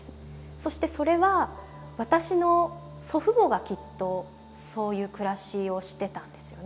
そしてそれは私の祖父母がきっとそういう暮らしをしてたんですよね。